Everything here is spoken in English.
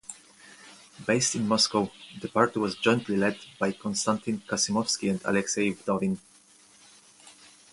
Based in Moscow, the party was jointly led by Konstantin Kassimovsky and Aleksei Vdovin.